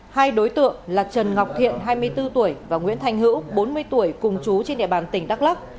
hai đối tượng là trần ngọc thiện hai mươi bốn tuổi và nguyễn thanh hữu bốn mươi tuổi cùng chú trên địa bàn tỉnh đắk lắc